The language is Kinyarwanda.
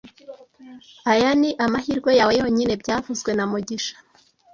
Aya ni amahirwe yawe yonyine byavuzwe na mugisha